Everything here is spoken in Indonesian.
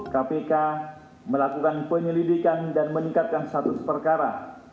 kpk melakukan penyelidikan dan meningkatkan status perkara